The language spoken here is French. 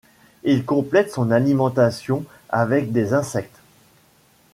Il complète son alimentation avec des insectes.